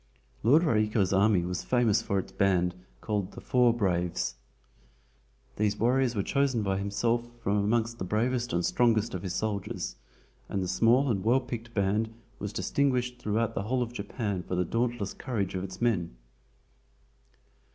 Lord Raiko's army was famous for its band called "The Four Braves." These warriors were chosen by himself from amongst the bravest and strongest of his soldiers, and the small and well picked band was distinguished throughout the whole of Japan for the dauntless courage of its men.